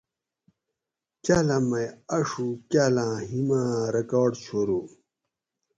کالام مئ آڛوگ کال آۤں ہیم اۤ ریکارڈ چھورو